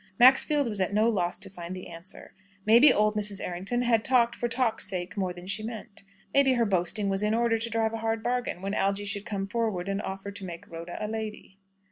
Maxfield was at no loss to find the answer. Maybe old Mrs. Errington had talked for talk's sake more than she meant. Maybe her boasting was in order to drive a hard bargain, when Algy should come forward and offer to make Rhoda a lady.